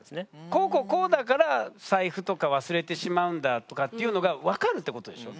こうこうこうだから財布とか忘れてしまうんだとかっていうのが分かるってことでしょ？